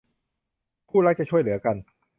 คู่รักจะช่วยเหลือกัน